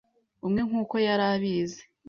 umwe nk'uko yari abizi! ”